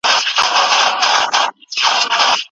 کله چې ما نوی سافټویر انسټال کړ نو د کمپیوټر سرعت زیات شو.